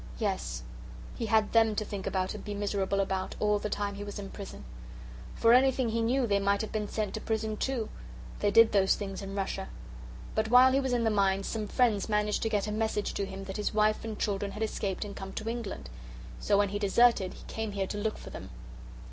"Yes, he had them to think about and be miserable about all the time he was in prison. For anything he knew they might have been sent to prison, too. They did those things in Russia. But while he was in the mines some friends managed to get a message to him that his wife and children had escaped and come to England. So when he deserted he came here to look for them."